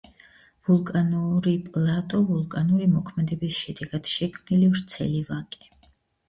ვულკანურიპლატო-ვულკანური მოქმედების შედეგად შექმნილი ვრცელი ვაკე